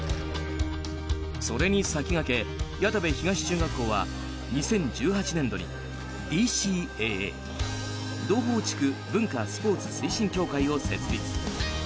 それに先駆け、谷田部東中学校は２０１８年度にＤＣＡＡ・洞峰地区文化スポーツ推進協会を設立。